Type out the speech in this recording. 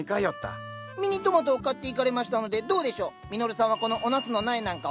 ミニトマトを買っていかれましたのでどうでしょうみのるさんはこのおナスの苗なんかは。